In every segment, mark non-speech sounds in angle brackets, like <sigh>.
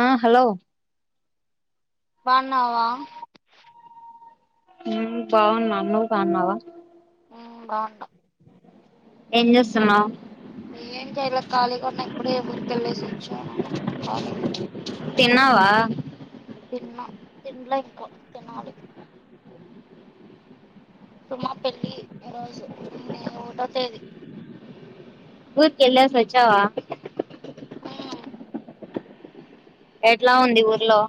ఆ హలో బన్నావా ఉమ్ బాగున్నా నువ్వు బన్నావా ఉమ్ బాగున్న ఏం చేస్తున్నావ్ ఏం జేయల ఖాళీగా ఉన్నా ఇప్పుడే ఊరికి ఎళ్ళేసొచ్ చాను ఖాళీగా ఉన్న తిన్నావా తిన్న తిన్లా ఇంకా తినాలి సుమ పెళ్లి ఈ రోజు మ్మ్ నే ఒకటో తేది ఊరికెళ్లేసి వచ్చావా ఉమ్ ఎట్లా ఉంది ఊర్లో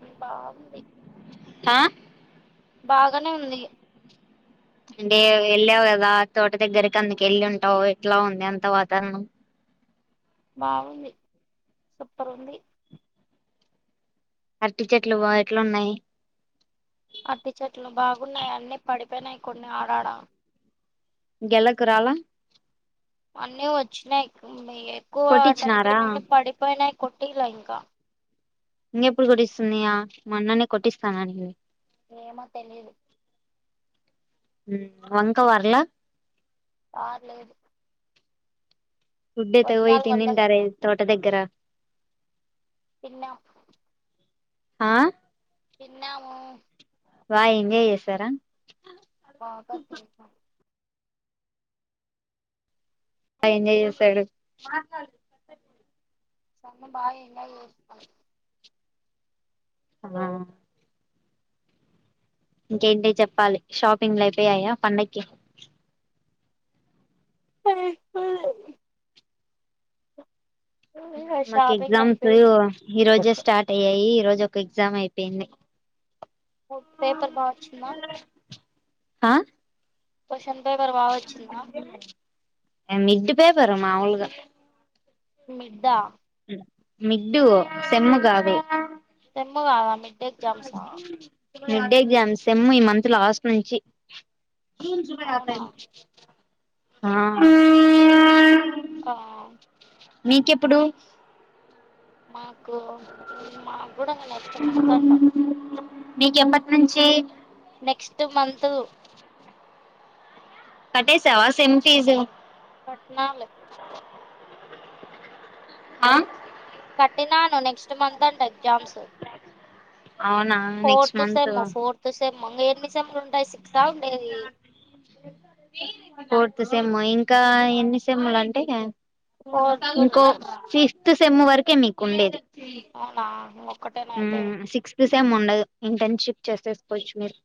మ్మ్ బాగుంది ఆ బాగనే ఉంది అంటే వెళ్ళావు కదా తోట దగ్గరికి అందుకెళ్ళింటావు ఎట్లా ఉంది అంత వాతావరణం బాగుంది సూపర్ ఉంది అరటి చెట్లు వా ఎట్లున్నాయి అట్టి చెట్లు బాగున్నాయి అన్నీ పడిపోయినాయి కొన్ని ఆడాడా గెలకు రాలా అన్నీ వచ్చినాయి ఎక్కువ టైట్ కొట్టించినారా అయినాక పడిపోయినాయి కొట్టిలే ఇంకా ఇంకెప్పుడు కొట్టిస్తుందియా మన్ననే కొట్టిస్తాను అంటివి ఏమో తెలీదు ఉమ్ వంక వర్లే ఆ లేదు గుడ్డే ఎత్తిపోయి వల్లే తినింటారే కదా తోట దగ్గర తిన్నాం ఆ తిన్నాము బా ఎంజాయ్ చేసారా బాగా తిన్నా ఎంజాయ్ ఇప్పుడు చేసాడు మాట్లాడు మా అమ్మ బా ఎంజాయ్ చేసింది ఉమ్ ఇంకేంటి చెప్పాలి షాపింగ్లు అయిపోయాయా పండకి ఆ <unintelligible> మాకు షాపింగ్ ఎగ్జామ్స్ అయిపోయింది ఈ రోజే స్టార్ట్ అయ్యాయి ఈ రోజు ఒక ఎగ్జామ్ అయిపోయింది ఓకే పేపర్ బావొచ్చిందా ఆ చెప్పాలి పేవర్ బావొచ్చిందా మిడ్ పేపరూ మాములుగా మిడ్ ఆ మిడ్డు సేమ్ కాదు సెము కాదా మిడ్ అ ఎగ్జామ్సా లొడ్డు మిడ్డే ఎగ్జామ్స్ సెము ఈ మంత్ లాస్ట్ నుంచి జూన్ జూలై ఆ అవునా టిమ్ ఆ ఆ నీకెప్పుడు మా మంత్ అంట మీకు ఎప్పటి నుంచి నెక్స్ట్ మంత్ కట్టేసావా సెమ్ ఫీజు కట్టినా లే <inaudible> ఆ కట్టినాను నెక్స్ట్ మంత్ అంట ఎగ్జామ్స్ అవునా next fourth sem fourth sem మంగ ఎన్ని సెమ్ లు ఫోర్ ర్త్ సేమ్ ఇంకా ఎన్ని సేమ్లు అంటే ఇగ ఫోర్త్ ఇంకో ఇప్పుడు ఫి ఫిఫ్త్ సెమ్ము వరకే మీకు ఉండేది అవునా ఇంకొక్కటేనా అయితే హ్మ్ సిక్స్త్ సెమ్ ఉండదు ఇంటర్న్షిప్ చేసేసుకోవచ్చు మీర్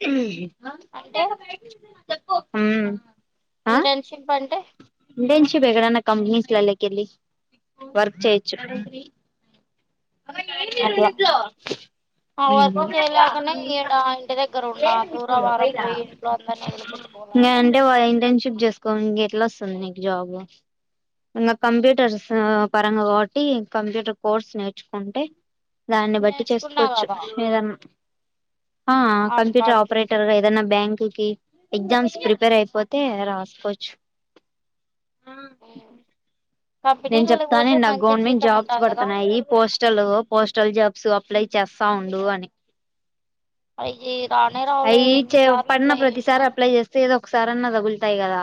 హమ్ అంటే హుమ్ ఇంటర్న్షిప్ అంటే ఇంటర్న్షిప్ ఎక్కడన్నా కంపెనీస్ లలకి వెళ్లి వర్క్ చేయొచ్చు అట్లా మ్మ్, ఆ వర్క్ చేయలేకనే హుమ్ ఇంక ఈడ ఇంటి దగ్గర ఉన్నా దూరవారం పోయి ఇంట్లో అందరిని వదిలిపెట్టుకోలేక అంటే వాళ్ళ ఇంటర్న్షిప్ చేసుకో ఎట్లాొస్తుంది నీకు జాబ్ ఇంకా కంప్యూటర్స్ పరంగా కాబట్టి కంప్యూటర్ కోర్స్ నేర్చుకుంటే దాన్ని బట్టి నేర్చుకున్నా చేసుకోవచ్చు కదా ఏదన్ ఆ కంప్యూటర్ ఆడికాడికి ఆపరేటర్ గా ఏదన్నా బ్యాంక్ ఇ కి ఎగ్జామ్స్ ప్రిపేర్ అయిపోతే రాసుకోవచ్చు నే నేను చెప్తానే ఉన్న న గవర్నమెంట్ జాబ్స్ ఉంటది కదా పడుతున్నాయి పోస్టల్ పోస్టల్ జాబ్స్ అప్లై చేస్తా ఉండు అని అయి రానే రావులే అయి చే ఎన్నిసార్లు పడిన అప్లై ప్రతిసారి చేసినా అప్లై చేస్తే ఏదో ఒకసారన్నా తగులుతాయి కదా